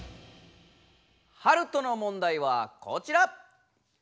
ハルトの問題はこちら！